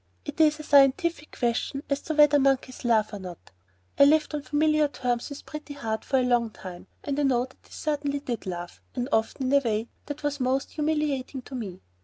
It is a scientific question as to whether monkeys laugh or not. I lived on familiar terms with Pretty Heart for a long time, and I know that he certainly did laugh and often in a way that was most humiliating to me.